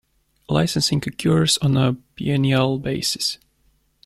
Licensing occurs on a biennial basis.